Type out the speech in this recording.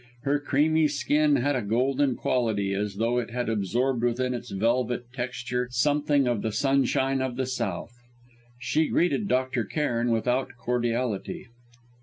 Her creamy skin had a golden quality, as though it had absorbed within its velvet texture something of the sunshine of the South. She greeted Dr. Cairn without cordiality.